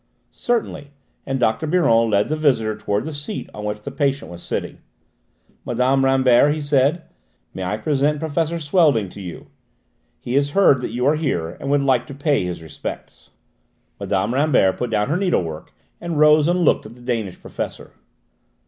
"Certainly," and Dr. Biron led the visitor towards the seat on which the patient was sitting. "Madame Rambert," he said, "may I present Professor Swelding to you? He has heard that you are here and would like to pay his respects." Mme. Rambert put down her needlework and rose and looked at the Danish professor.